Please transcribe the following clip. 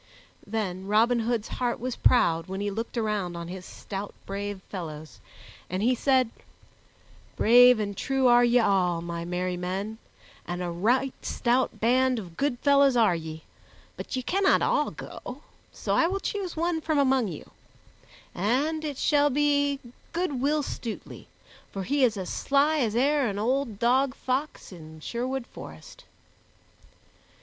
Then Robin Hood's heart was proud when he looked around on his stout, brave fellows, and he said, "Brave and true are ye all, my merry men, and a right stout band of good fellows are ye, but ye cannot all go, so I will choose one from among you, and it shall be good Will Stutely, for he is as sly as e'er an old dog fox in Sherwood Forest."